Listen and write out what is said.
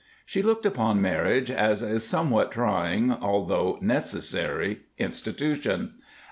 She looked upon marriage as a somewhat trying, although necessary, institution.